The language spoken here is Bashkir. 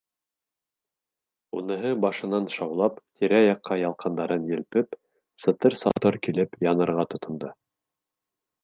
Уныһы башынан шаулап, тирә-яҡҡа ялҡындарын елпеп, сытыр-сатор килеп янырға тотондо.